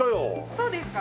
そうですか？